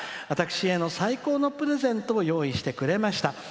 私への最高のプレゼントを用意してくれました。